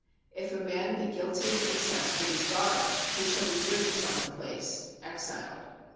If a man be guilty of incest with his daughter, he shall be driven from the place [exiled].